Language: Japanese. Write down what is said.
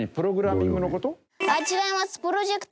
違います。